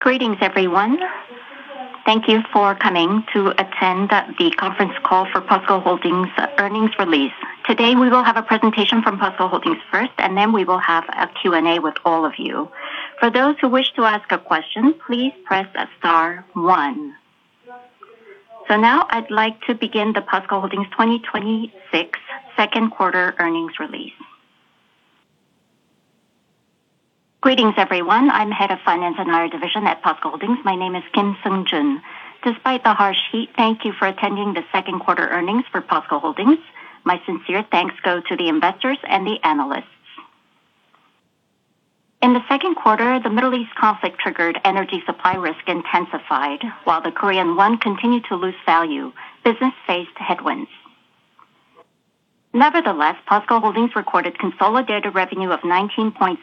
Greetings, everyone. Thank you for coming to attend the conference call for POSCO Holdings earnings release. Today, we will have a presentation from POSCO Holdings first, and then we will have a Q&A with all of you. For those who wish to ask a question, please press star one. Now I'd like to begin the POSCO Holdings 2026 second quarter earnings release. Greetings, everyone. I'm Head of Finance and IR Division at POSCO Holdings. My name is Kim Seung-Jun. Despite the harsh heat, thank you for attending the second quarter earnings for POSCO Holdings. My sincere thanks go to the investors and the analysts. In the second quarter, the Middle East conflict-triggered energy supply risk intensified while the Korean won continued to lose value. Business faced headwinds. Nevertheless, POSCO Holdings recorded consolidated revenue of 19.3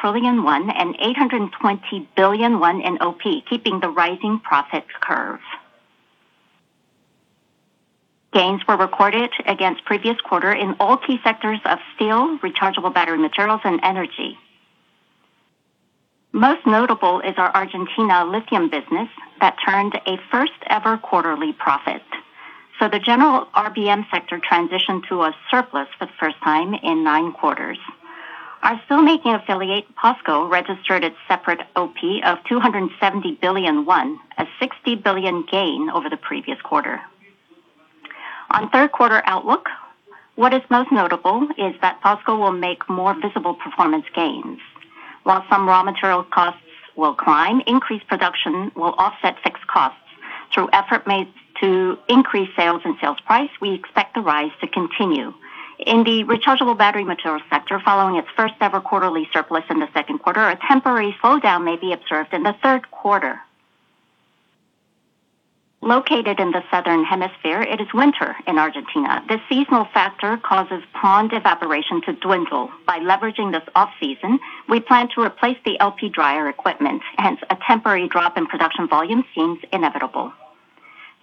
trillion won and 820 billion won in OP, keeping the rising profits curve. Gains were recorded against the previous quarter in all key sectors of steel, rechargeable battery materials, and energy. Most notable is our Argentina lithium business that turned a first-ever quarterly profit. The general RBM sector transitioned to a surplus for the first time in nine quarters. Our steelmaking affiliate, POSCO, registered its separate OP of 270 billion won, a 60 billion gain over the previous quarter. On third quarter outlook, what is most notable is that POSCO will make more visible performance gains. While some raw material costs will climb, increased production will offset fixed costs. Through effort made to increase sales and sales price, we expect the rise to continue. In the rechargeable battery material sector, following its first-ever quarterly surplus in the second quarter, a temporary slowdown may be observed in the third quarter. Located in the southern hemisphere, it is winter in Argentina. This seasonal factor causes pond evaporation to dwindle. By leveraging this off-season, we plan to replace the LP dryer equipment, hence a temporary drop in production volume seems inevitable.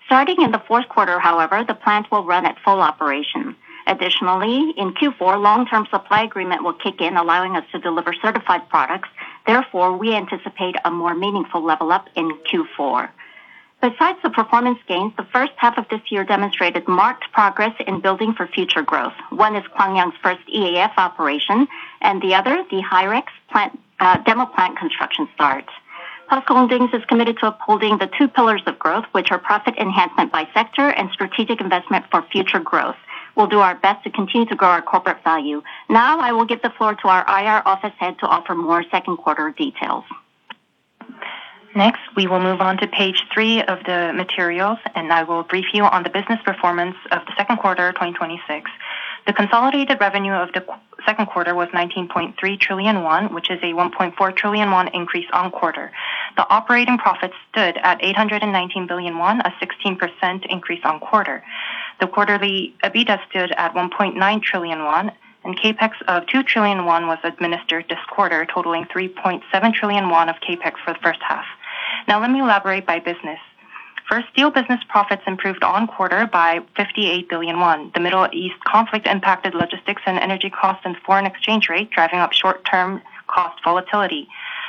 Starting in the fourth quarter, however, the plant will run at full operation. Additionally, in Q4, a long-term supply agreement will kick in, allowing us to deliver certified products. Therefore, we anticipate a more meaningful level up in Q4. Besides the performance gains, the first half of this year demonstrated marked progress in building for future growth. One is Gwangyang's first EAF operation, and the other, the HyREX demo plant construction start. POSCO Holdings is committed to upholding the two pillars of growth, which are profit enhancement by sector and strategic investment for future growth. We'll do our best to continue to grow our corporate value. Now I will give the floor to our IR office head to offer more second quarter details. We will move on to page three of the materials, and I will brief you on the business performance of the second quarter 2026. The consolidated revenue of the second quarter was 19.3 trillion won, which is a 1.4 trillion won increase on-quarter. The operating profit stood at 819 billion won, a 16% increase on-quarter. The quarterly EBITDA stood at 1.9 trillion won, and CapEx of 2 trillion won was administered this quarter, totaling 3.7 trillion won of CapEx for the first half. Let me elaborate by business. Steel business profits improved on-quarter by 58 billion won. The Middle East conflict impacted logistics and energy costs and foreign exchange rates, driving up short-term cost volatility.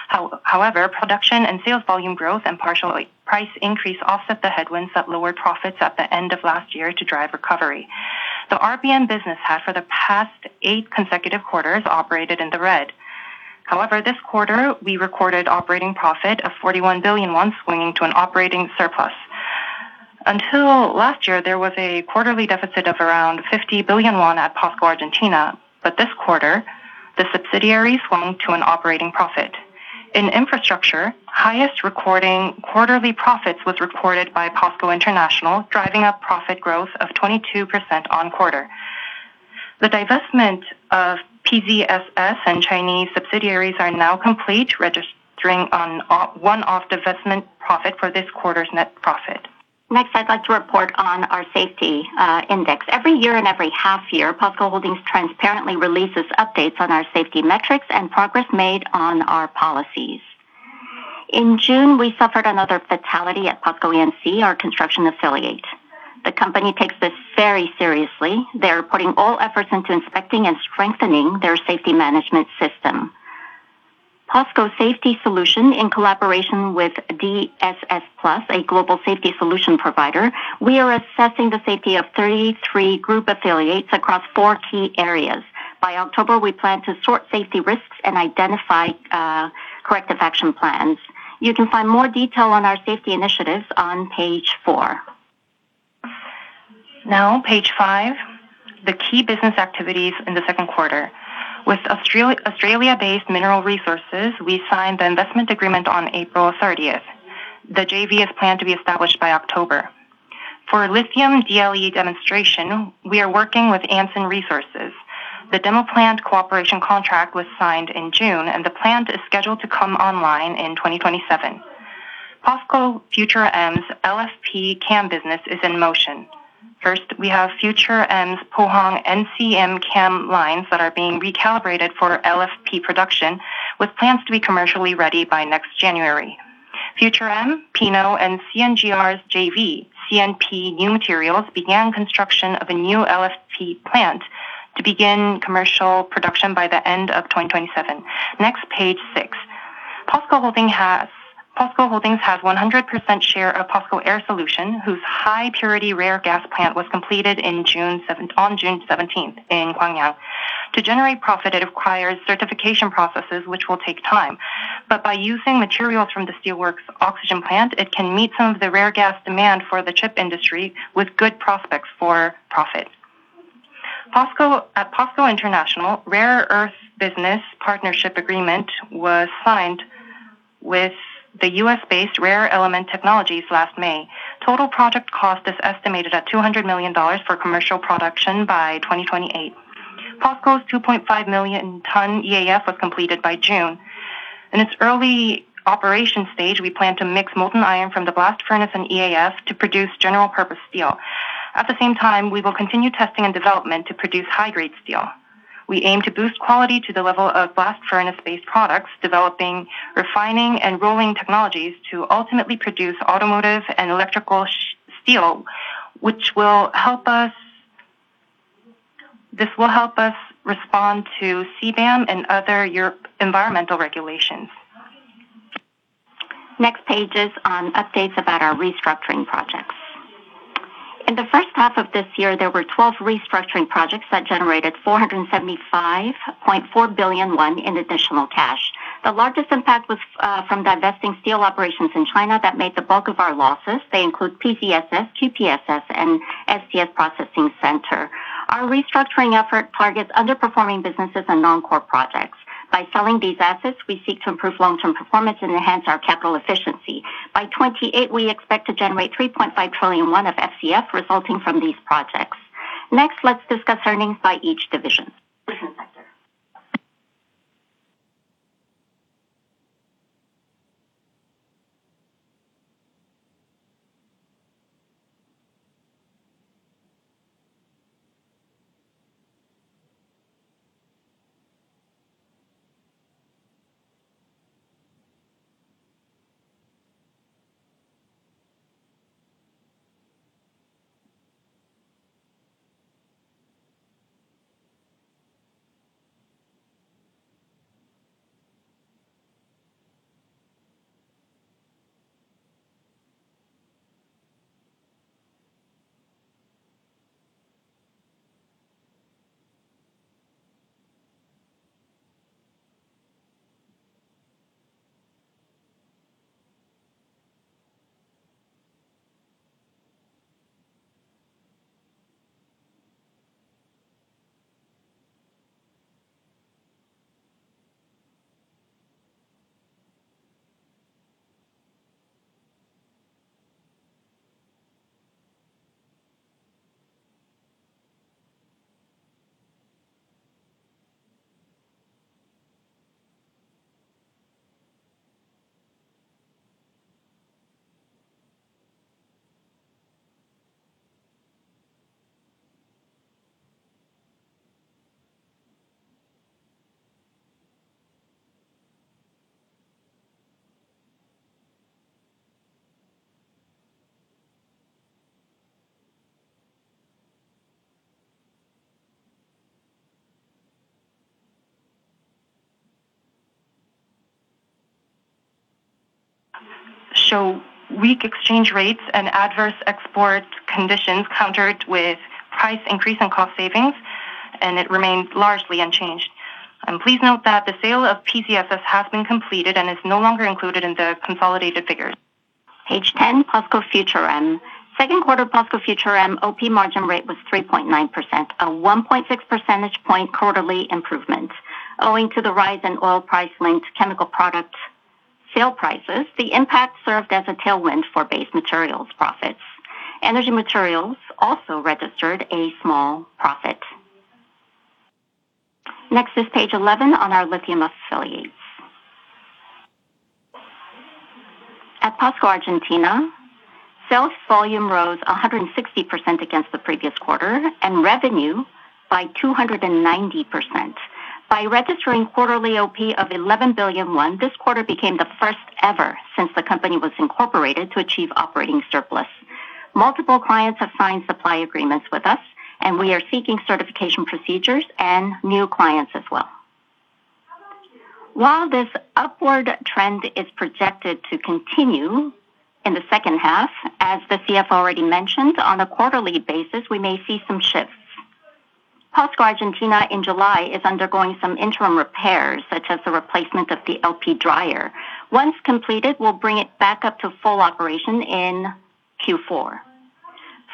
However, production and sales volume growth and partial price increase offset the headwinds that lowered profits at the end of last year to drive recovery. The RBM business has, for the past eight consecutive quarters, operated in the red. However, this quarter, we recorded operating profit of 41 billion won, swinging to an operating surplus. Until last year, there was a quarterly deficit of around 50 billion won at POSCO Argentina, but this quarter, the subsidiary swung to an operating profit. In infrastructure, the highest quarterly profits was recorded by POSCO International, driving up profit growth of 22% on-quarter. The divestment of QPSS and Chinese subsidiaries are now complete, registering a one-off divestment profit for this quarter's net profit. I'd like to report on our safety index. Every year and every half year, POSCO Holdings transparently releases updates on our safety metrics and progress made on our policies. In June, we suffered another fatality at POSCO E&C, our construction affiliate. The company takes this very seriously. They are putting all efforts into inspecting and strengthening their safety management system. POSCO Safety Solution, in collaboration with dss+, a global safety solution provider, we are assessing the safety of 33 group affiliates across four key areas. By October, we plan to sort safety risks and identify corrective action plans. You can find more detail on our safety initiatives on page four. Page five, the key business activities in the second quarter. With Australia-based Mineral Resources, we signed the investment agreement on April 30th. The JV is planned to be established by October. For lithium DLE demonstration, we are working with Anson Resources. The demo plant cooperation contract was signed in June, and the plant is scheduled to come online in 2027. POSCO Future M's LFP CAM business is in motion. We have Future M's Pohang NCM CAM lines that are being recalibrated for LFP production, with plans to be commercially ready by next January. Future M, Pino, and CNGR's JV, CNP New Materials, began construction of a new LFP plant to begin commercial production by the end of 2027. Page six. POSCO Holdings has 100% share of POSCO Air Solution, whose high-purity rare gas plant was completed on June 17th in Gwangyang. To generate profit, it acquires certification processes which will take time. By using materials from the steelworks oxygen plant, it can meet some of the rare gas demand for the chip industry with good prospects for profit. At POSCO International, rare earth business partnership agreement was signed with the U.S.-based ReElement Technologies last May. Total project cost is estimated at $200 million for commercial production by 2028. POSCO's 2.5 million tons EAF was completed by June. In its early operation stage, we plan to mix molten iron from the blast furnace and EAF to produce general purpose steel. At the same time, we will continue testing and development to produce high-grade steel. We aim to boost quality to the level of blast furnace-based products, developing, refining, and rolling technologies to ultimately produce automotive and electrical steel. This will help us respond to CBAM and other European environmental regulations. Page is on updates about our restructuring projects. In the first half of this year, there were 12 restructuring projects that generated 475.4 billion won in additional cash. The largest impact was from divesting steel operations in China that made the bulk of our losses. They include POSCO-CSPC, QPSS, and FCS processing center. Our restructuring effort targets underperforming businesses and non-core projects. By selling these assets, we seek to improve long-term performance and enhance our capital efficiency. By 2028, we expect to generate 3.5 trillion won of FCF resulting from these projects. Let's discuss earnings by each division. Weak exchange rates and adverse export conditions countered with price increase and cost savings, it remained largely unchanged. Please note that the sale of POSCO-CSPC has been completed and is no longer included in the consolidated figures. Page 10, POSCO Future M. Second quarter POSCO Future M OP margin rate was 3.9%, a 1.6 percentage point quarterly improvement. Owing to the rise in oil price linked chemical product sale prices, the impact served as a tailwind for base materials profits. Energy materials also registered a small profit. Next is page 11 on our lithium affiliates. At POSCO Argentina, sales volume rose 160% against the previous quarter, and revenue by 290%. By registering quarterly OP of 11 billion won, this quarter became the first ever since the company was incorporated to achieve operating surplus. Multiple clients have signed supply agreements with us, and we are seeking certification procedures and new clients as well. While this upward trend is projected to continue in the second half, as the CFO already mentioned, on a quarterly basis, we may see some shifts. POSCO Argentina in July is undergoing some interim repairs, such as the replacement of the LP dryer. Once completed, we will bring it back up to full operation in Q4.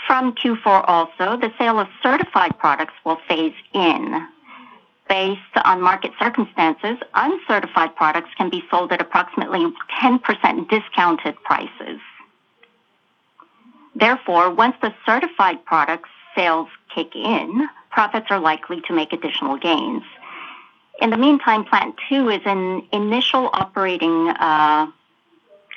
From Q4, also, the sale of certified products will phase in. Based on market circumstances, uncertified products can be sold at approximately 10% discounted prices. Therefore, once the certified product sales kick in, profits are likely to make additional gains. In the meantime, Plant 2 is in initial operating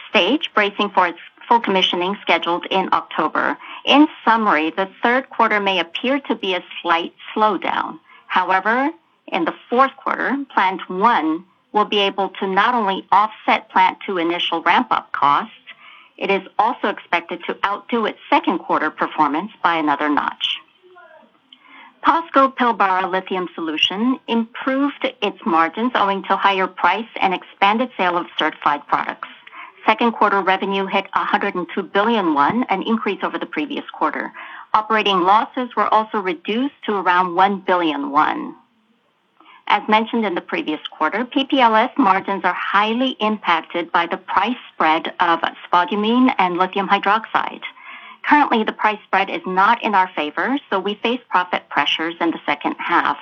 stage, bracing for its full commissioning scheduled in October. In summary, the third quarter may appear to be a slight slowdown. However, in the fourth quarter, Plant 1 will be able to not only offset Plant 2 initial ramp-up costs. It is also expected to outdo its second quarter performance by another notch. POSCO Pilbara Lithium Solution improved its margins owing to higher price and expanded sale of certified products. Second quarter revenue hit 102 billion won, an increase over the previous quarter. Operating losses were also reduced to around 1 billion won. As mentioned in the previous quarter, PPLS margins are highly impacted by the price spread of spodumene and lithium hydroxide. Currently, the price spread is not in our favor, so we face profit pressures in the second half.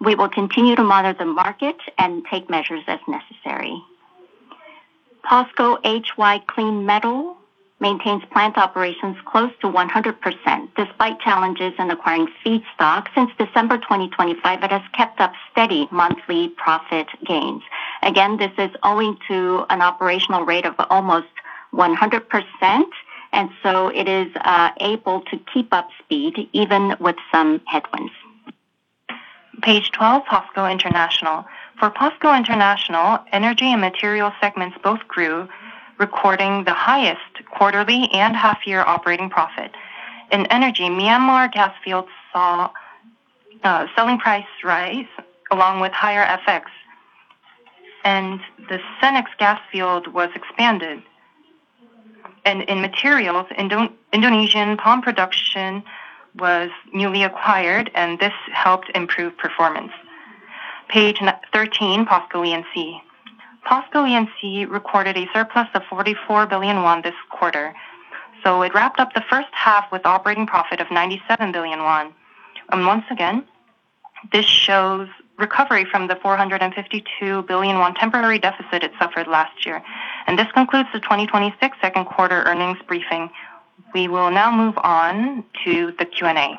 We will continue to monitor the market and take measures as necessary. POSCO HY Clean Metal maintains plant operations close to 100%, despite challenges in acquiring feedstock. Since December 2025, it has kept up steady monthly profit gains. Again, this is owing to an operational rate of almost 100%, and so it is able to keep up speed even with some headwinds. Page 12, POSCO International. For POSCO International, energy and material segments both grew, recording the highest quarterly and half-year operating profit. In energy, Myanmar gas fields saw selling price rise along with higher FX. The Senex gas field was expanded. In materials, Indonesian palm production was newly acquired, and this helped improve performance. Page 13, POSCO E&C. POSCO E&C recorded a surplus of 44 billion won this quarter. It wrapped up the first half with operating profit of 97 billion won. Once again, this shows recovery from the 452 billion won temporary deficit it suffered last year. This concludes the 2026 second quarter earnings briefing. We will now move on to the Q&A.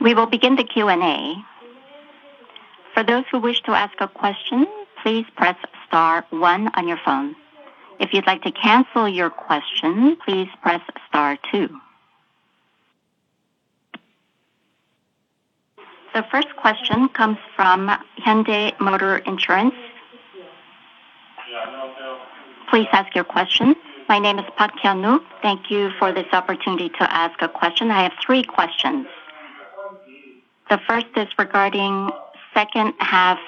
We will begin the Q&A. For those who wish to ask a question, please press star one on your phone. If you would like to cancel your question, please press star two. The first question comes from Yuanta Securities. Please ask your question. My name is Park Young-Ho. Thank you for this opportunity to ask a question. I have three questions. The first is regarding second half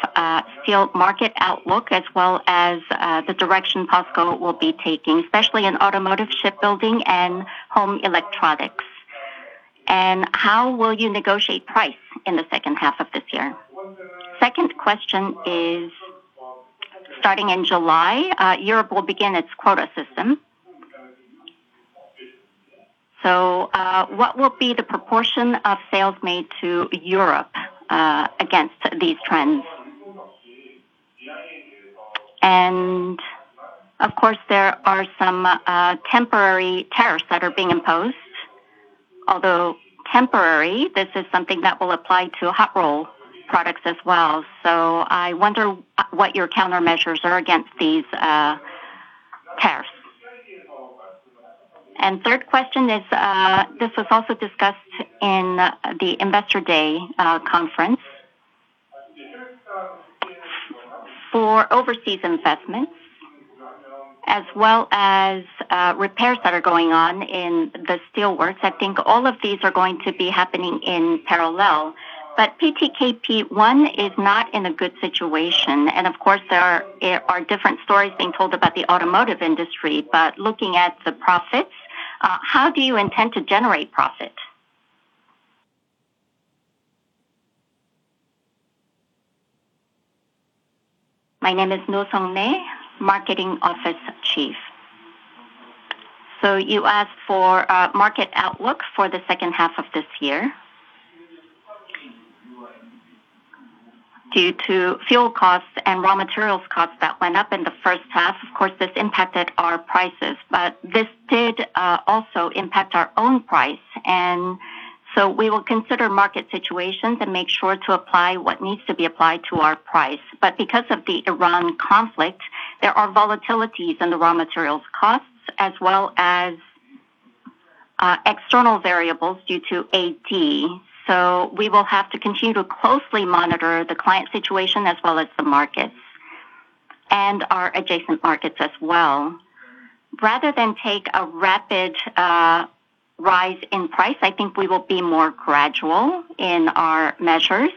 steel market outlook, as well as the direction POSCO will be taking, especially in automotive, shipbuilding, and home electronics. How will you negotiate price in the second half of this year? Second question is, starting in July, Europe will begin its quota system. What will be the proportion of sales made to Europe against these trends? Of course, there are some temporary tariffs that are being imposed. Although temporary, this is something that will apply to hot-roll products as well. I wonder what your countermeasures are against these tariffs. Third question is, this was also discussed in the Investor Day conference. For overseas investments, as well as repairs that are going on in the steelworks, I think all of these are going to be happening in parallel. PTKP1 is not in a good situation. Of course, there are different stories being told about the automotive industry. Looking at the profits, how do you intend to generate profit? My name is Roh Sung-rae, Marketing Office Chief. You asked for market outlook for the second half of this year. Due to fuel costs and raw materials costs that went up in the first half, of course, this impacted our prices. This did also impact our own price. We will consider market situations and make sure to apply what needs to be applied to our price. Because of the Iran conflict, there are volatilities in the raw materials costs as well as external variables due to AD. We will have to continue to closely monitor the client situation as well as the markets, and our adjacent markets as well. Rather than take a rapid rise in price, I think we will be more gradual in our measures.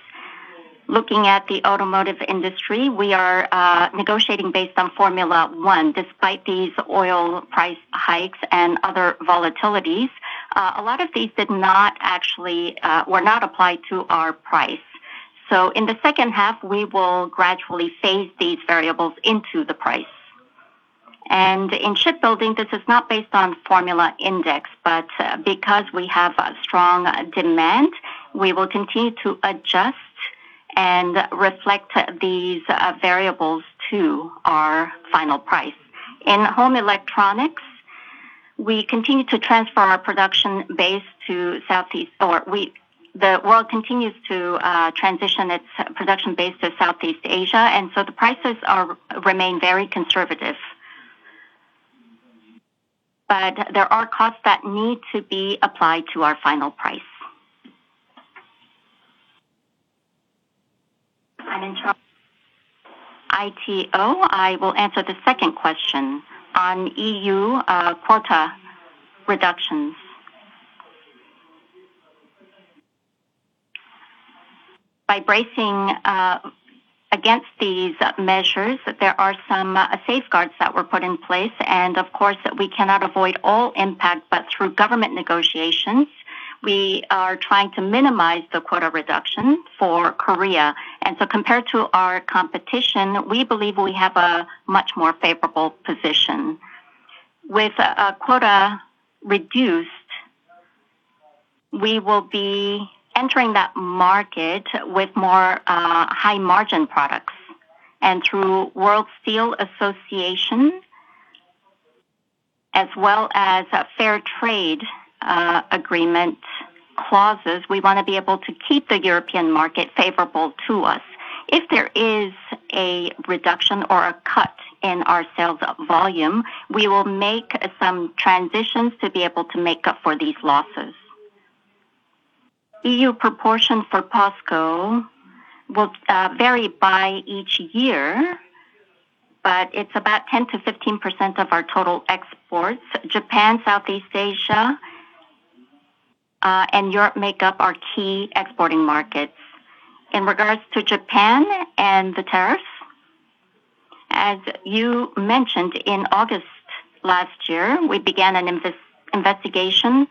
Looking at the automotive industry, we are negotiating based on Formula 1. Despite these oil price hikes and other volatilities, a lot of these were not applied to our price. In the second half, we will gradually phase these variables into the price. In shipbuilding, this is not based on formula index, but because we have a strong demand, we will continue to adjust and reflect these variables to our final price. In home electronics, the world continues to transition its production base to Southeast Asia, and so the prices remain very conservative. There are costs that need to be applied to our final price. I'm in charge of ITO. I will answer the second question on EU quota reductions. By bracing against these measures, there are some safeguards that were put in place. Of course, we cannot avoid all impact, but through government negotiations, we are trying to minimize the quota reduction for Korea. Compared to our competition, we believe we have a much more favorable position. With a quota reduced, we will be entering that market with more high-margin products and through World Steel Association as well as fair trade agreement clauses, we want to be able to keep the European market favorable to us. If there is a reduction or a cut in our sales volume, we will make some transitions to be able to make up for these losses. EU proportion for POSCO will vary by each year, but it's about 10%-15% of our total exports. Japan, Southeast Asia, and Europe make up our key exporting markets. In regards to Japan and the tariffs, as you mentioned, in August last year, we began an investigation,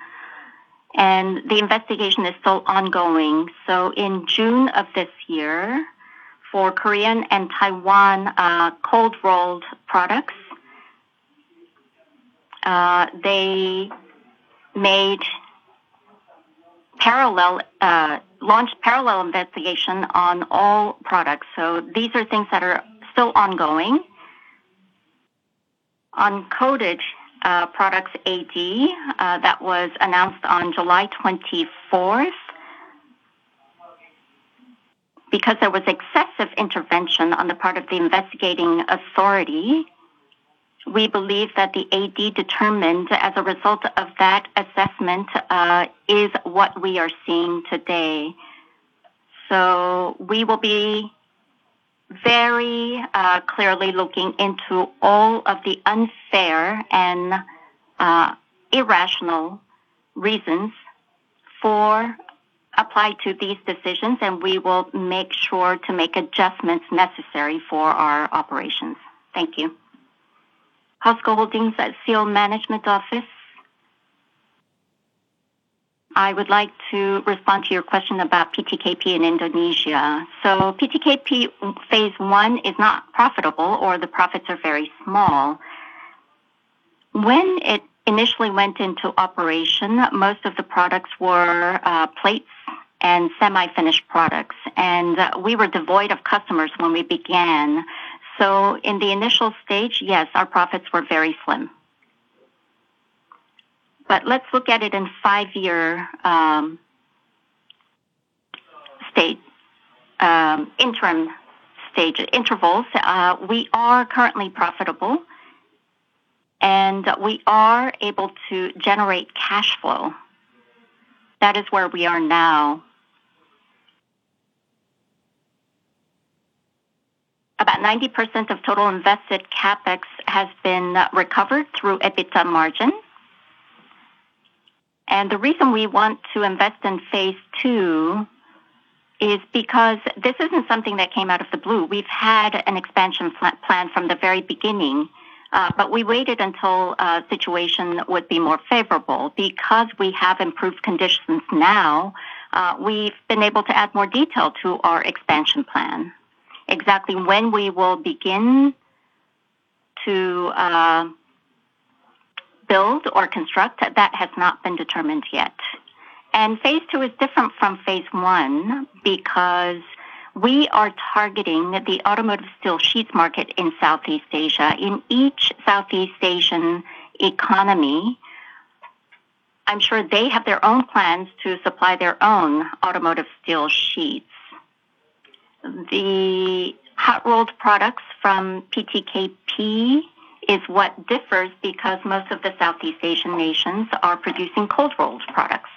and the investigation is still ongoing. In June of this year, for Korean and Taiwan cold-rolled products, they launched a parallel investigation on all products. These are things that are still ongoing. On coated products AD, that was announced on July 24th. Because there was excessive intervention on the part of the investigating authority, we believe that the AD determined as a result of that assessment, is what we are seeing today. We will be very clearly looking into all of the unfair and irrational reasons applied to these decisions, we will make sure to make adjustments necessary for our operations. Thank you. POSCO Holdings Steel Management Office. I would like to respond to your question about PTKP in Indonesia. PTKP phase I is not profitable, or the profits are very small. When it initially went into operation, most of the products were plates and semi-finished products, we were devoid of customers when we began. In the initial stage, yes, our profits were very slim. Let's look at it in five-year interim intervals. We are currently profitable, and we are able to generate cash flow. That is where we are now. About 90% of total invested CapEx has been recovered through EBITDA margin. The reason we want to invest in phase II is because this isn't something that came out of the blue. We've had an expansion plan from the very beginning. We waited until a situation would be more favorable. We have improved conditions now, we've been able to add more detail to our expansion plan. Exactly when we will begin to build or construct, that has not been determined yet. Phase II is different from phase I because we are targeting the automotive steel sheets market in Southeast Asia. In each Southeast Asian economy, I'm sure they have their own plans to supply their own automotive steel sheets. The hot-rolled products from PTKP is what differs because most of the Southeast Asian nations are producing cold-rolled products.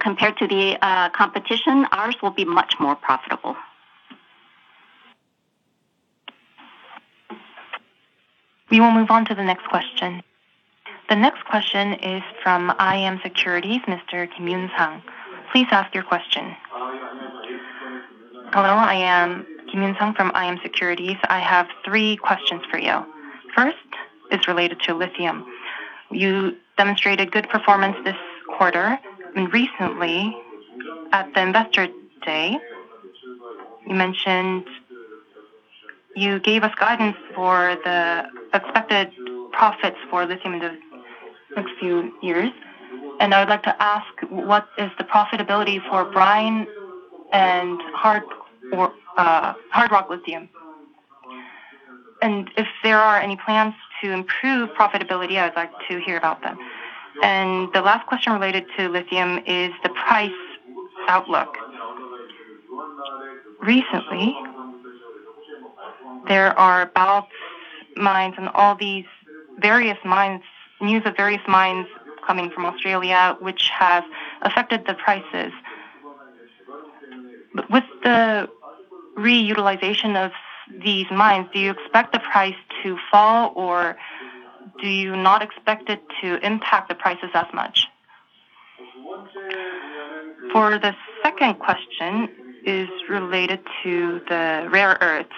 Compared to the competition, ours will be much more profitable. We will move on to the next question. The next question is from iM Securities, Mr. Kim Yun Sung. Please ask your question. Hello, I am Kim Yun Sung from iM Securities. I have three questions for you. First is related to lithium. You demonstrated good performance this quarter, recently at the investor day, you gave us guidance for the expected profits for lithium in the next few years, I would like to ask what is the profitability for brine and hard rock lithium. If there are any plans to improve profitability, I would like to hear about them. The last question related to lithium is the price outlook. Recently, there are about mines and all these news of various mines coming from Australia which have affected the prices. With the reutilization of these mines, do you expect the price to fall, or do you not expect it to impact the prices as much? For the second question is related to the rare earths.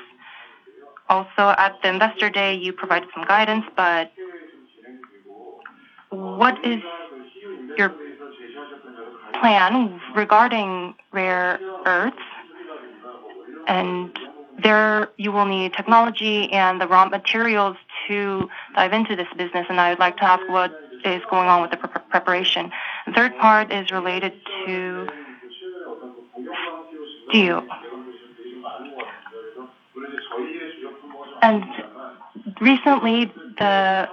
Also, at the investor day, you provided some guidance, what is your plan regarding rare earths? There you will need technology and the raw materials to dive into this business, I would like to ask what is going on with the preparation. Third part is related to steel. Recently the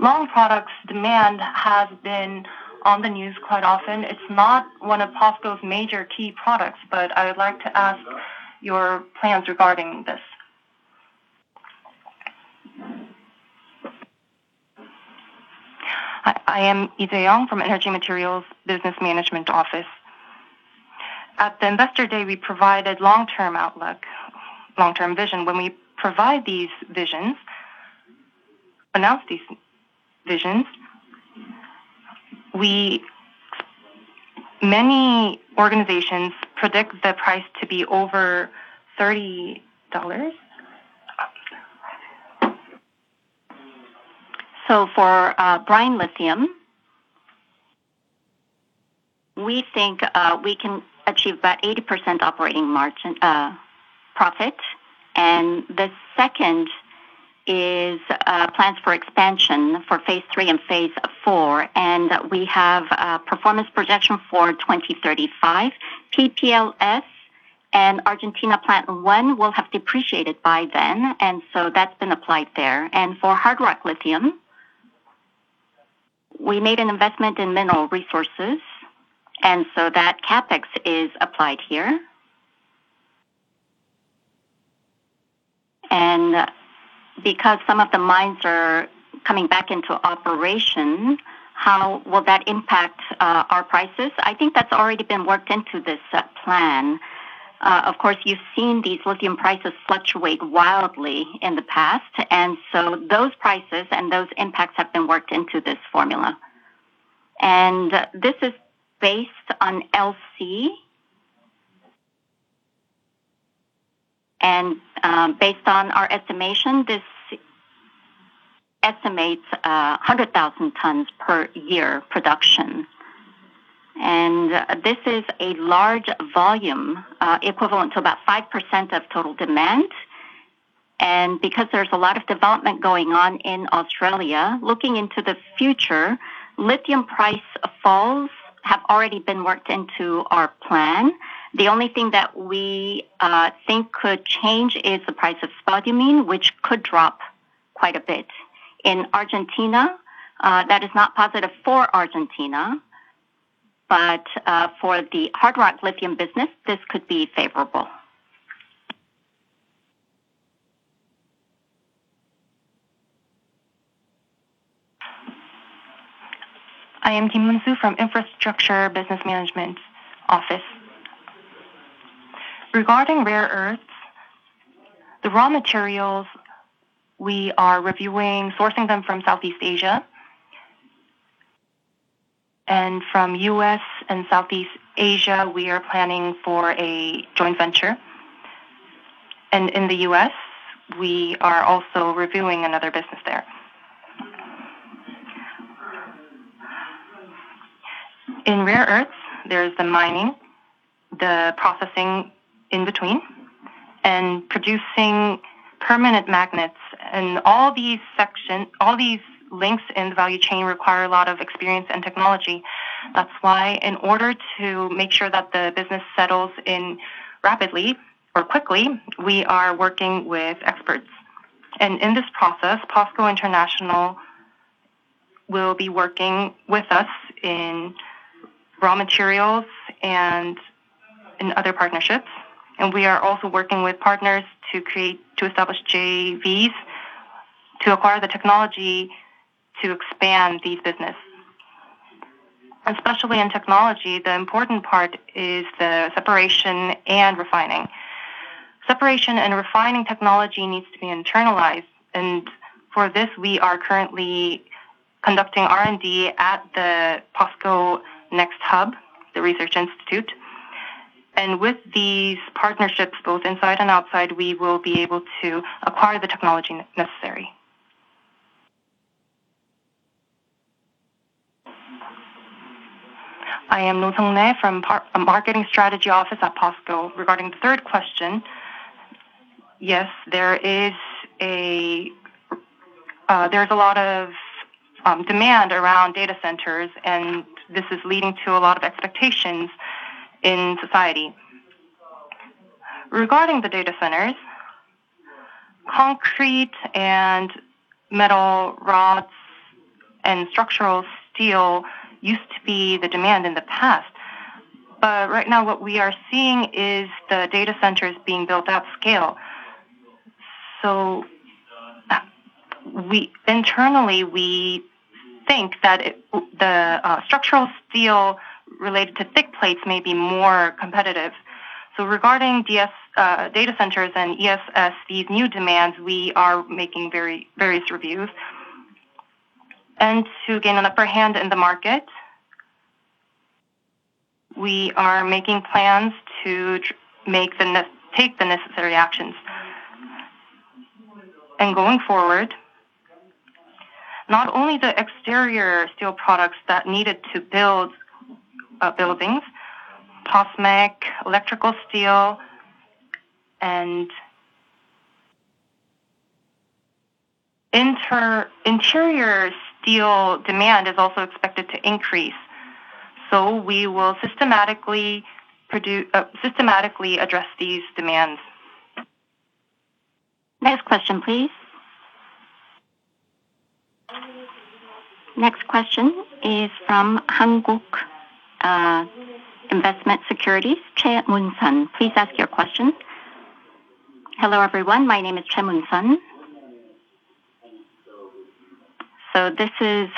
long products demand has been on the news quite often. It's not one of POSCO's major key products, I would like to ask your plans regarding this. I am Lee Sung-won from Energy Materials Business Management Office. At the investor day, we provided long-term outlook, long-term vision. When we provide these visions, announce these visions, many organizations predict the price to be over KRW 30. For brine lithium. We think we can achieve about 80% operating profit. The second is plans for expansion for phase III and phase IV, we have a performance projection for 2035. PPLS and Argentina Plant 1 will have depreciated by then, that's been applied there. For hard rock lithium, we made an investment in Mineral Resources, that CapEx is applied here. Because some of the mines are coming back into operation, how will that impact our prices? I think that's already been worked into this plan. Of course, you've seen these lithium prices fluctuate wildly in the past, those prices and those impacts have been worked into this formula. This is based on LCE. Based on our estimation, this estimates 100,000 tons per year production. This is a large volume, equivalent to about 5% of total demand. Because there's a lot of development going on in Australia, looking into the future, lithium price falls have already been worked into our plan. The only thing that we think could change is the price of spodumene, which could drop quite a bit. In Argentina, that is not positive for Argentina, but for the hard rock lithium business, this could be favorable. I am Kim Min-su from Infrastructure Business Management Office. Regarding rare earths, the raw materials we are reviewing sourcing them from Southeast Asia. From U.S. and Southeast Asia, we are planning for a joint venture. In the U.S., we are also reviewing another business there. In rare earths, there is the mining, the processing in between, and producing permanent magnets. All these links in the value chain require a lot of experience and technology. That is why in order to make sure that the business settles in rapidly or quickly, we are working with experts. In this process, POSCO International will be working with us in raw materials and in other partnerships. We are also working with partners to establish JVs to acquire the technology to expand the business. Especially in technology, the important part is the separation and refining. Separation and refining technology needs to be internalized. For this, we are currently conducting R&D at the POSCO N.EX.T Hub, the research institute. With these partnerships, both inside and outside, we will be able to acquire the technology necessary. I am Roh Sung-rae from Marketing Strategy Office at POSCO. Regarding the third question, yes, there's a lot of demand around data centers, and this is leading to a lot of expectations in society. Regarding the data centers, concrete and metal rods and structural steel used to be the demand in the past, but right now what we are seeing is the data centers being built at scale. Internally, we think that the structural steel related to thick plates may be more competitive. Regarding data centers and ESS, these new demands, we are making various reviews. To gain an upper hand in the market, we are making plans to take the necessary actions. Going forward, not only the exterior steel products that needed to build buildings, PosMAC, electrical steel, and interior steel demand is also expected to increase. We will systematically address these demands. Next question, please. Next question is from Korea Investment & Securities, Choi Moon-sun. Please ask your question. Hello, everyone. My name is Choi Moon-sun. This is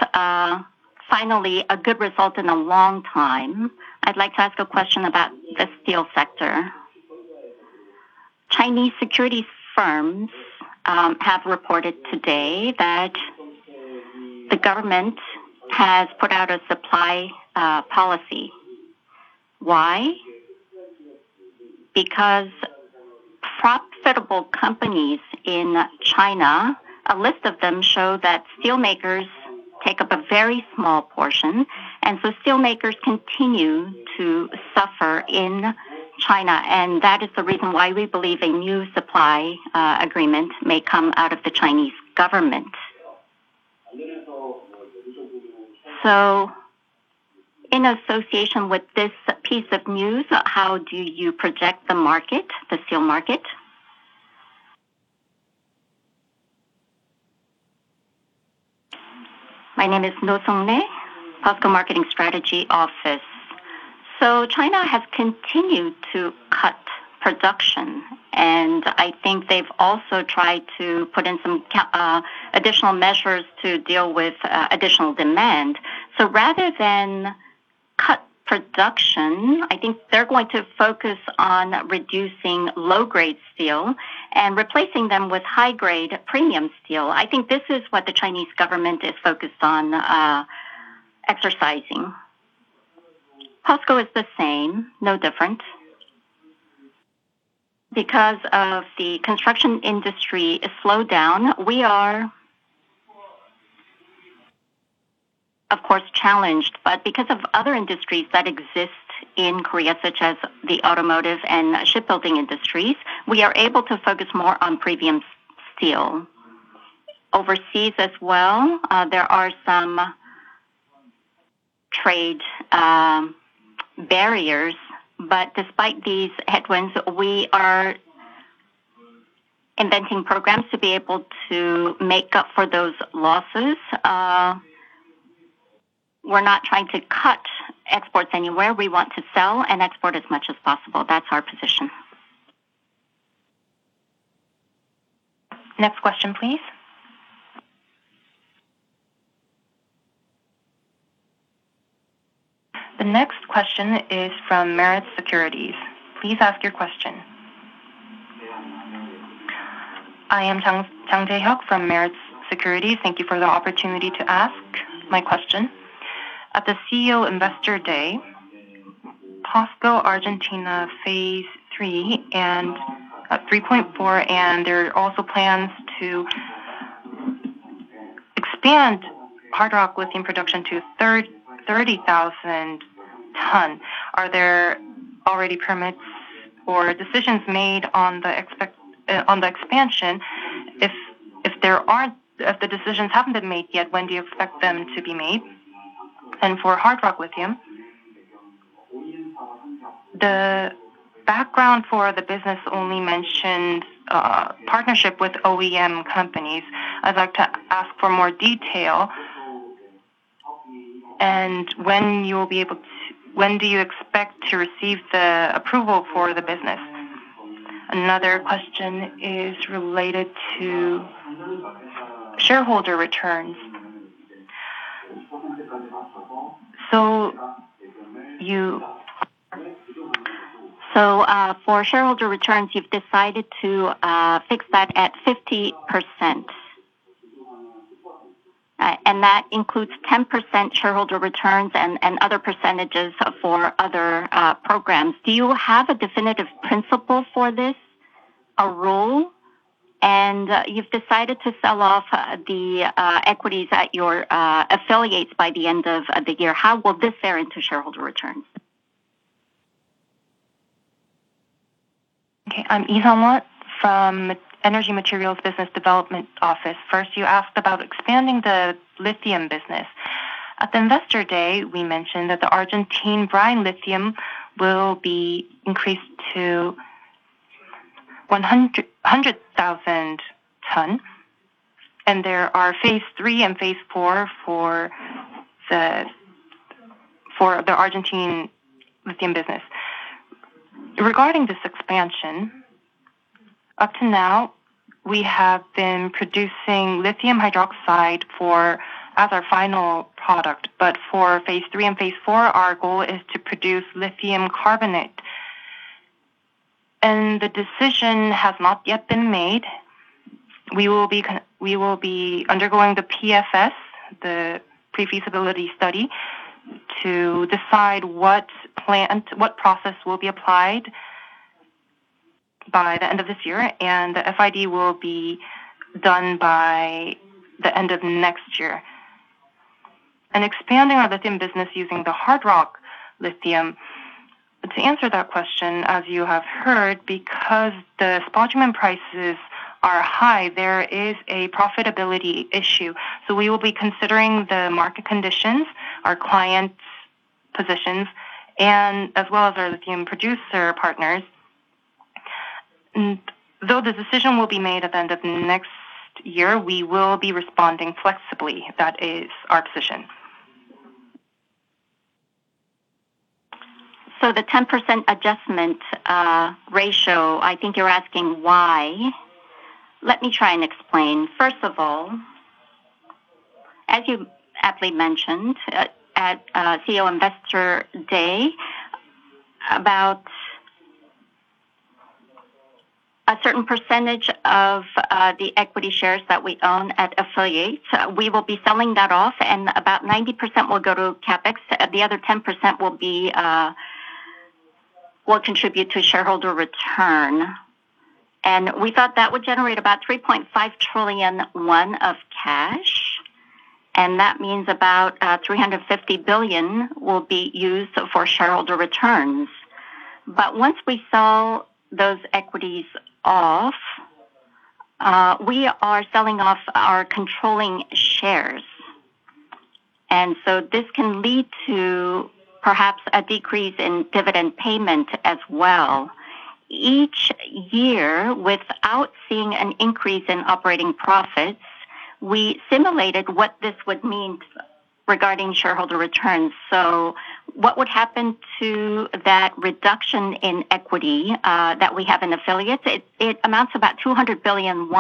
finally a good result in a long time. I would like to ask a question about the steel sector. Chinese securities firms have reported today that the government has put out a supply policy. Why? Because profitable companies in China, a list of them show that steelmakers take up a very small portion. Steelmakers continue to suffer in China, and that is the reason why we believe a new supply agreement may come out of the Chinese government. In association with this piece of news, how do you project the steel market? My name is Roh Sung-rae, POSCO Marketing Strategy Office. China has continued to cut production, I think they've also tried to put in some additional measures to deal with additional demand. Rather than cut production, I think they're going to focus on reducing low-grade steel and replacing them with high-grade premium steel. I think this is what the Chinese government is focused on exercising. POSCO is the same, no different. Because of the construction industry slow down, we are, of course, challenged. Because of other industries that exist in Korea, such as the automotive and shipbuilding industries, we are able to focus more on premium steel. Overseas as well, there are some trade barriers, despite these headwinds, we are inventing programs to be able to make up for those losses. We're not trying to cut exports anywhere. We want to sell and export as much as possible. That's our position. Next question, please. The next question is from Meritz Securities. Please ask your question. I am Jang Jae-hyuk from Meritz Securities. Thank you for the opportunity to ask my question. At the CEO Investor Day, POSCO Argentina phase III and IV, there are also plans to expand hard rock lithium production to 30,000 tons. Are there already permits or decisions made on the expansion? If the decisions haven't been made yet, when do you expect them to be made? For hard rock lithium, the background for the business only mentioned partnership with OEM companies. I'd like to ask for more detail, and when do you expect to receive the approval for the business? Another question is related to shareholder returns. For shareholder returns, you've decided to fix that at 50%, that includes 10% shareholder returns and other percentages for other programs. Do you have a definitive principle for this, a rule? You've decided to sell off the equities at your affiliates by the end of the year. How will this fare into shareholder returns? Okay. I'm Lee Sung-won from Energy Materials Business Development Office. First, you asked about expanding the lithium business. At the Investor Day, we mentioned that the Argentine brine lithium will be increased to 100,000 tons, there are phase III and phase IV for the Argentine lithium business. Regarding this expansion, up to now, we have been producing lithium hydroxide as our final product. For phase III and phase IV, our goal is to produce lithium carbonate. The decision has not yet been made. We will be undergoing the PFS, the pre-feasibility study, to decide what process will be applied by the end of this year, the FID will be done by the end of next year. Expanding our lithium business using the hard rock lithium. To answer that question, as you have heard, because the spodumene prices are high, there is a profitability issue. We will be considering the market conditions, our clients' positions, as well as our lithium producer partners. Though the decision will be made at the end of next year, we will be responding flexibly. That is our position. The 10% adjustment ratio, I think you're asking why. Let me try and explain. First of all, as you aptly mentioned at CEO Investor Day, about a certain percentage of the equity shares that we own at affiliates, we will be selling that off, and about 90% will go to CapEx. The other 10% will contribute to shareholder return. We thought that would generate about 3.5 trillion of cash, and that means about 350 billion will be used for shareholder returns. Once we sell those equities off, we are selling off our controlling shares. This can lead to perhaps a decrease in dividend payment as well. Each year, without seeing an increase in operating profits, we simulated what this would mean regarding shareholder returns. What would happen to that reduction in equity that we have in affiliates? It amounts to about 200 billion.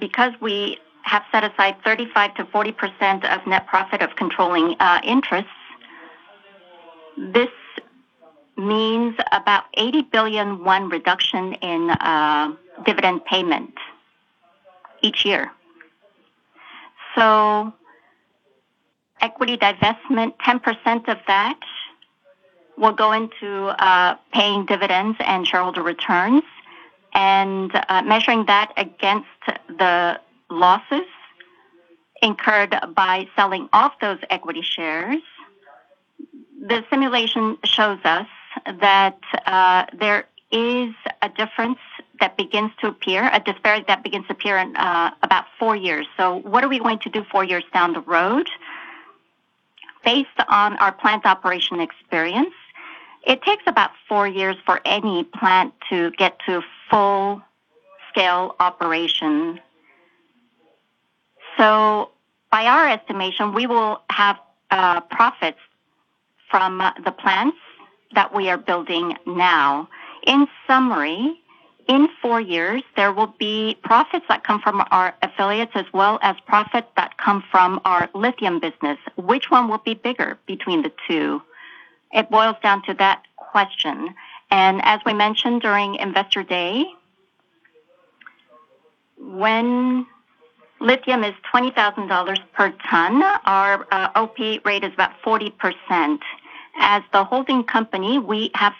Because we have set aside 35%-40% of net profit of controlling interests, this means about 80 billion won reduction in dividend payment each year. Equity divestment, 10% of that will go into paying dividends and shareholder returns, and measuring that against the losses incurred by selling off those equity shares, the simulation shows us that there is a difference that begins to appear, a disparity that begins to appear in about four years. What are we going to do four years down the road? Based on our plant operation experience, it takes about four years for any plant to get to full-scale operation. By our estimation, we will have profits from the plants that we are building now. In summary, in four years, there will be profits that come from our affiliates as well as profits that come from our lithium business. Which one will be bigger between the two? It boils down to that question. As we mentioned during Investor Day, when lithium is $20,000 per ton, our OP rate is about 40%. As the holding company, we have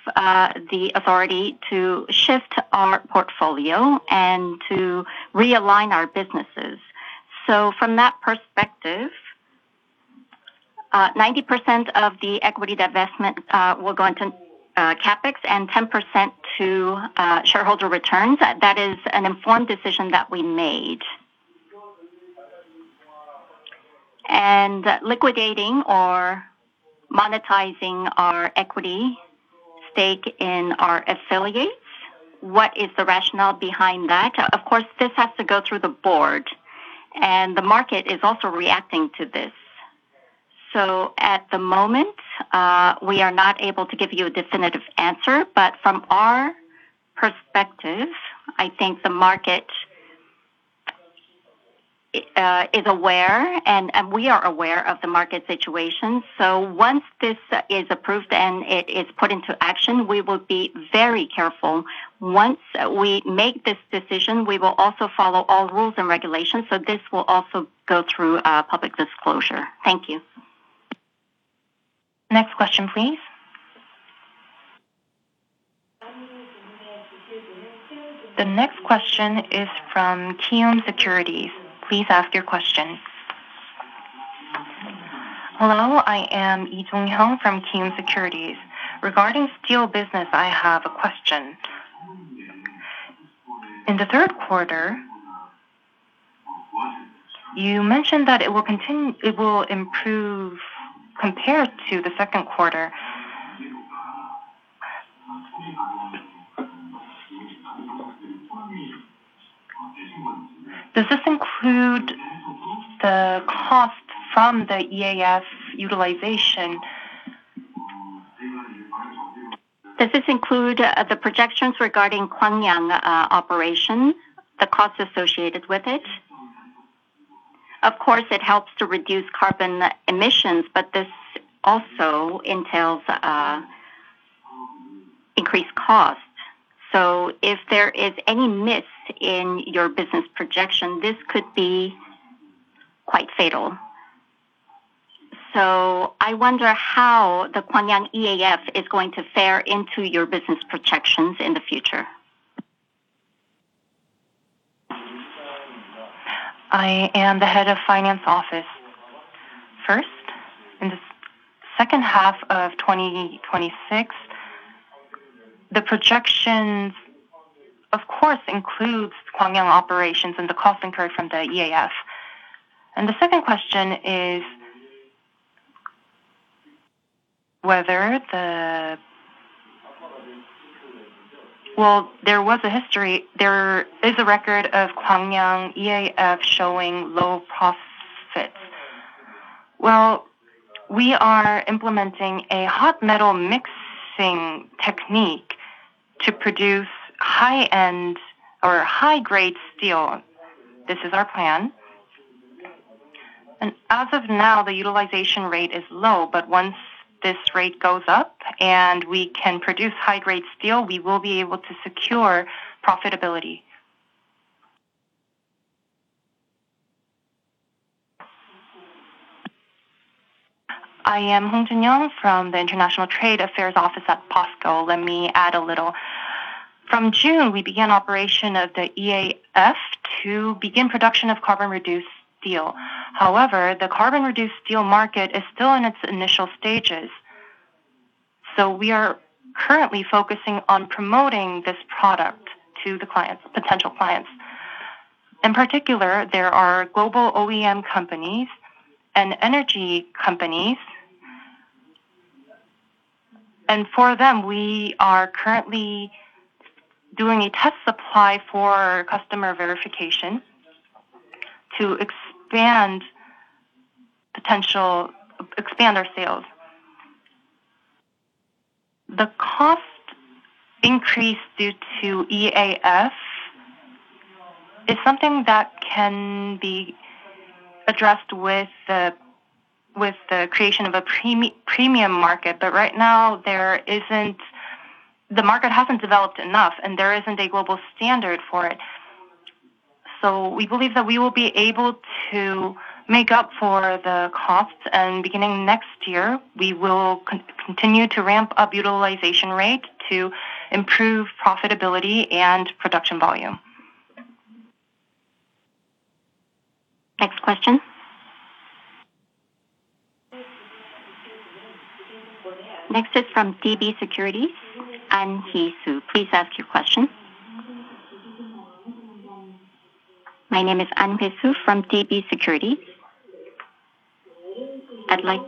the authority to shift our portfolio and to realign our businesses. From that perspective, 90% of the equity divestment will go into CapEx and 10% to shareholder returns. That is an informed decision that we made. Liquidating or monetizing our equity stake in our affiliates, what is the rationale behind that? Of course, this has to go through the board. The market is also reacting to this. At the moment, we are not able to give you a definitive answer, from our perspective, I think the market is aware, and we are aware of the market situation. Once this is approved and it is put into action, we will be very careful. Once we make this decision, we will also follow all rules and regulations, this will also go through public disclosure. Thank you. Next question, please. The next question is from Kiwoom Securities. Please ask your question. Hello, I am Lee Jong-hyeong from Kiwoom Securities. Regarding steel business, I have a question. In the third quarter, you mentioned that it will improve compared to the second quarter. Does this include the cost from the EAF utilization? Does this include the projections regarding Gwangyang operation, the costs associated with it? Of course, it helps to reduce carbon emissions, this also entails increased costs. If there is any miss in your business projection, this could be quite fatal. I wonder how the Gwangyang EAF is going to fare into your business projections in the future. I am the Head of Finance Office. First, in the second half of 2026, the projections, of course, includes Gwangyang operations and the cost incurred from the EAF. The second question is whether the Well, there was a history. There is a record of Gwangyang EAF showing low profit. Well, we are implementing a hot metal mixing technique to produce high-end or high-grade steel. This is our plan. As of now, the utilization rate is low, once this rate goes up and we can produce high-grade steel, we will be able to secure profitability. I am Hong Joonyoung from the International Trade Affairs Office at POSCO. Let me add a little. From June, we began operation of the EAF to begin production of carbon-reduced steel. However, the carbon-reduced steel market is still in its initial stages. We are currently focusing on promoting this product to the potential clients. In particular, there are global OEM companies and energy companies. For them, we are currently doing a test supply for customer verification to expand our sales. The cost increase due to EAF is something that can be addressed with the creation of a premium market. Right now, the market hasn't developed enough, and there isn't a global standard for it. We believe that we will be able to make up for the costs, beginning next year, we will continue to ramp up utilization rate to improve profitability and production volume. Next question. Next is from DB Securities, Ahn He-soo. Please ask your question. My name is Ahn He-soo from DB Securities. I'd like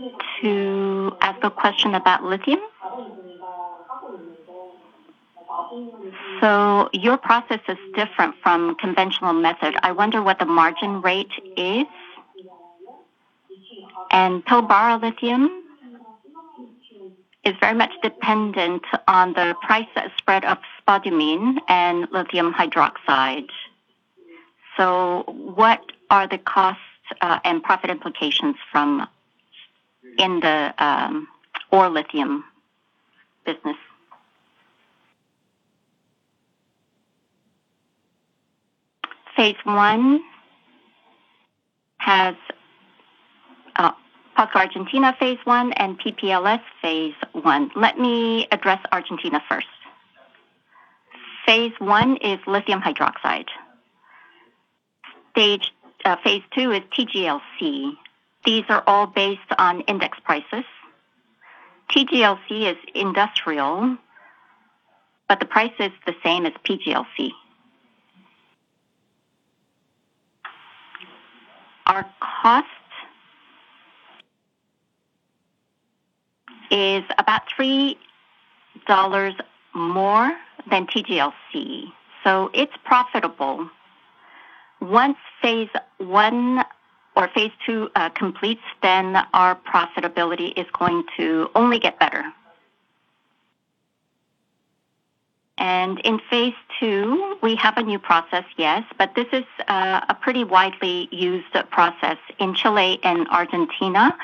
to ask a question about lithium. Your process is different from conventional method. I wonder what the margin rate is. Pilbara lithium is very much dependent on the price spread of spodumene and lithium hydroxide. What are the cost and profit implications in the ore lithium business? POSCO Argentina phase I and PPLS phase I. Let me address Argentina first. Phase I is lithium hydroxide. Phase II is TGLC. These are all based on index prices. TGLC is industrial, but the price is the same as PGLC. Our cost is about $3 more than TGLC, so it's profitable. Once phase II completes, our profitability is going to only get better. In phase II, we have a new process, yes, but this is a pretty widely used process. In Chile and Argentina,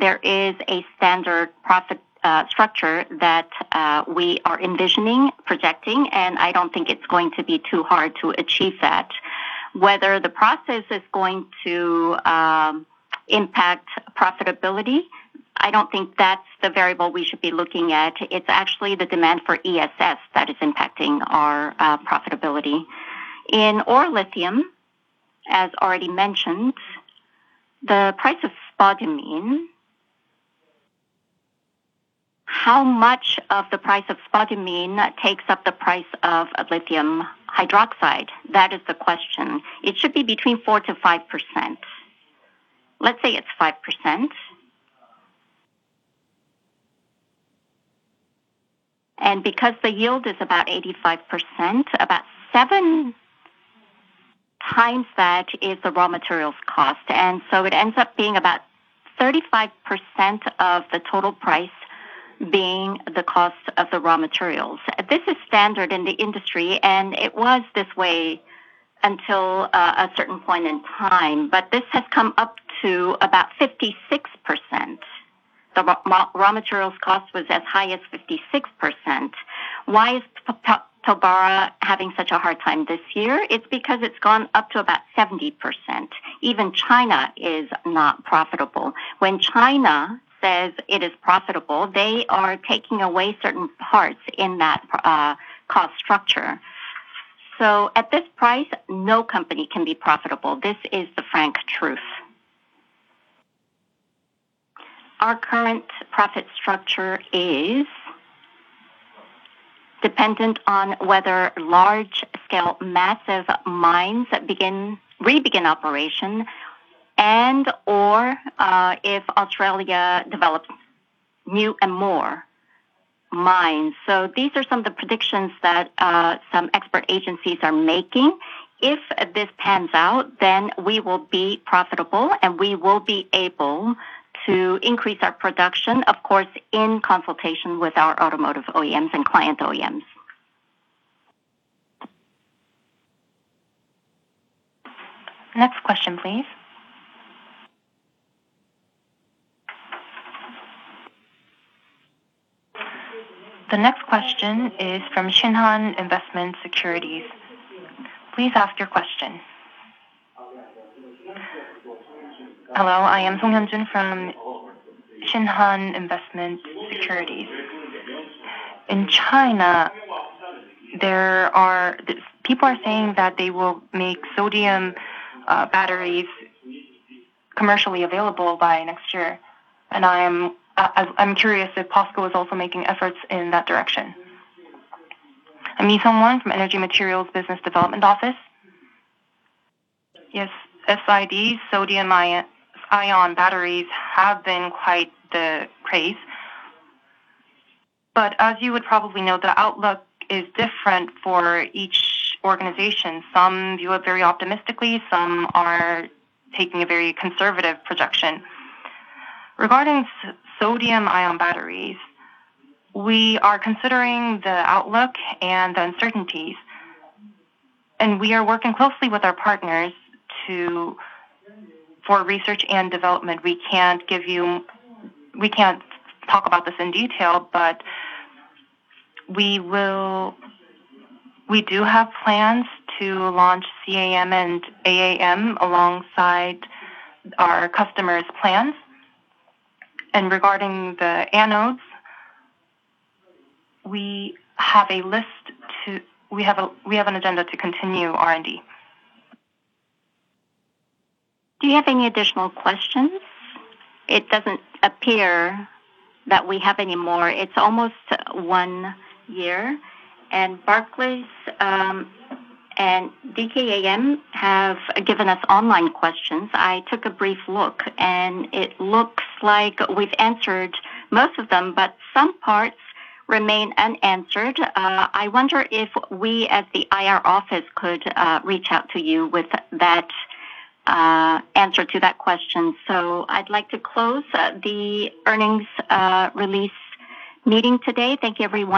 there is a standard profit structure that we are envisioning, projecting, and I don't think it's going to be too hard to achieve that. Whether the process is going to impact profitability I don't think that's the variable we should be looking at. It's actually the demand for ESS that is impacting our profitability. In ore lithium, as already mentioned, the price of spodumene, how much of the price of spodumene takes up the price of a lithium hydroxide? That is the question. It should be between 4%-5%. Let's say it's 5%. Because the yield is about 85%, about seven times that is the raw materials cost. It ends up being about 35% of the total price being the cost of the raw materials. This is standard in the industry, and it was this way until a certain point in time. This has come up to about 56%. The raw materials cost was as high as 56%. Why is Pilbara having such a hard time this year? It's because it's gone up to about 70%. Even China is not profitable. When China says it is profitable, they are taking away certain parts in that cost structure. At this price, no company can be profitable. This is the frank truth. Our current profit structure is dependent on whether large-scale massive mines re-begin operation and/or if Australia develops new and more mines. These are some of the predictions that some expert agencies are making. If this pans out, then we will be profitable, and we will be able to increase our production, of course, in consultation with our automotive OEMs and client OEMs. Next question, please. The next question is from Shinhan Investment Securities. Please ask your question. Hello, I am Song Hyung Jin from Shinhan Investment Securities. In China, people are saying that they will make sodium-ion batteries commercially available by next year, I'm curious if POSCO is also making efforts in that direction. Lee Sung-won from Energy Materials Business Development Office. Yes, SIB, sodium-ion batteries, have been quite the craze. As you would probably know, the outlook is different for each organization. Some view it very optimistically, some are taking a very conservative projection. Regarding sodium-ion batteries, we are considering the outlook and uncertainties, we are working closely with our partners for research and development. We can't talk about this in detail, but we do have plans to launch CAM and AAM alongside our customers' plans. Regarding the anodes, we have an agenda to continue R&D. Do you have any additional questions? It doesn't appear that we have any more. It's almost 1:00PM here and Barclays, and DKAM have given us online questions. I took a brief look, and it looks like we've answered most of them, but some parts remain unanswered. I wonder if we as the IR office could reach out to you with that answer to that question. I'd like to close the earnings release meeting today. Thank you, everyone.